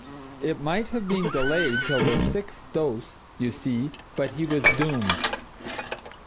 It might have been delayed till the sixth dose, you see but he was doomed."